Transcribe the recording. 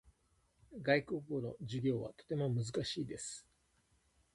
外国語の授業はとても難しいです。